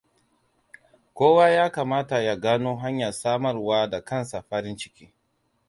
Kowa ya kamata ya gano hanyar samarwa da kansa farin ciki.